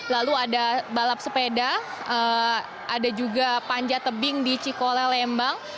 lalu ada balap sepeda ada juga panjat tebing di cikole lembang